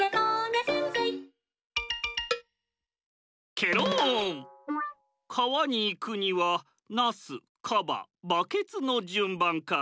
けろんかわにいくにはナスカババケツのじゅんばんか。